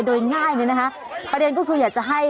ขอบคุณครับขอบคุณครับ